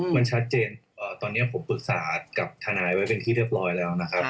มันชัดเจนตอนนี้ผมปรึกษากับทนายไว้เป็นที่เรียบร้อยแล้วนะครับ